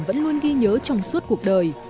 vẫn luôn ghi nhớ trong suốt cuộc đời